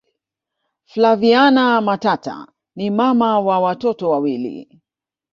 flaviana matata ni mama wa watoto wawilii